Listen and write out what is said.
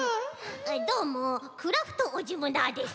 「どうもクラフトおじムナーです」。